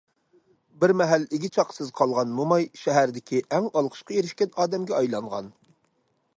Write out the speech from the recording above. بىر مەھەل ئىگە- چاقىسىز قالغان موماي شەھەردىكى ئەڭ ئالقىشقا ئېرىشكەن ئادەمگە ئايلانغان.